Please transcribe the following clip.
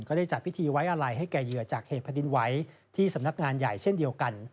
ได้จัดพิธีไว้อะไรให้แก่เหยื่อจากเหตุแผ่นดินไหวที่สำนักงานใหญ่เช่นเดียวกัน